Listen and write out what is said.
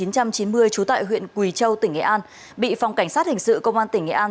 trú tại huyện quỳ châu tỉnh nghệ an bị phòng cảnh sát hình sự công an tỉnh nghệ an